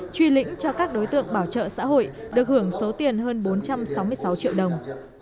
truy lĩnh cho các đối tượng bảo trợ xã hội được hưởng số tiền hơn bốn trăm sáu mươi sáu triệu đồng